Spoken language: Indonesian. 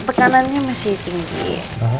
tekanannya masih tinggi